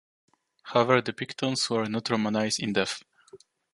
However, the Pictones were not Romanized in depth.